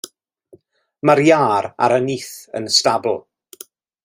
Mae'r iâr ar y nyth yn y stabl.